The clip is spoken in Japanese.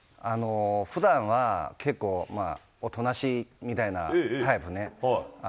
ふだんは結構、おとなしいみたいなタイプね。